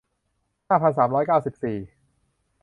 ห้าพันสามร้อยเก้าสิบสี่